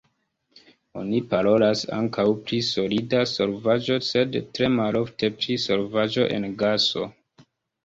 Oni parolas ankaŭ pri solida solvaĵo, sed tre malofte pri solvaĵo en gaso.